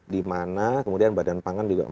di mana kemudian badan pangan juga